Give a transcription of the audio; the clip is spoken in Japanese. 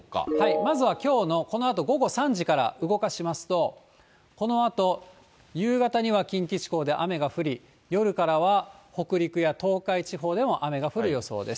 まずはきょうの、このあと午後３時から動かしますと、このあと、夕方には近畿地方で雨が降り、夜からは北陸や東海地方でも雨が降る予想です。